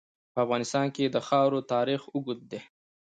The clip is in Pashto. په افغانستان کې د خاوره تاریخ اوږد دی.